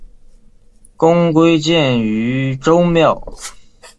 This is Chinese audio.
公归荐于周庙。